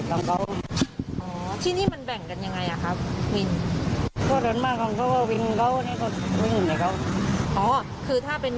อะไรไม่รู้ผมก็ไม่รู้วินสละกับผู้เด็กสาธารณ์